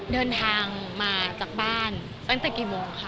เดินทางมาจากบ้านตั้งแต่กี่โมงค่ะ